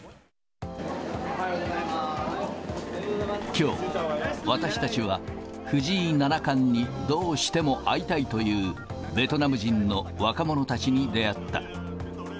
きょう、私たちは藤井七冠にどうしても会いたいというベトナム人の若者たちに出会った。